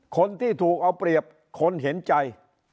คนที่ถูกเอาเปรียบคนเห็นใจ